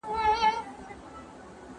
¬ بېکارو ته شيطان کار پيدا کوي.